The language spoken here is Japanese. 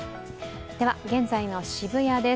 現在の渋谷です。